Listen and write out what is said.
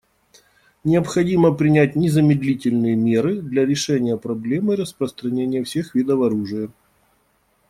Необходимо принять незамедлительные меры для решения проблемы распространения всех видов оружия.